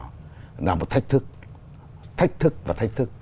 nó là một thách thức thách thức và thách thức